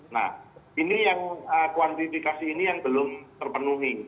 nah ini yang kuantifikasi ini yang belum terpenuhi